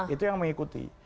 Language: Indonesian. itu yang mengikuti